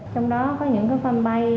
trong đó có những fanpage